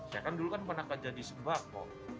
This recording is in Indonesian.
saya kan dulu kan pernah kerja di sembako